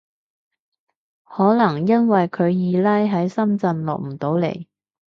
可能因為佢二奶喺深圳落唔到嚟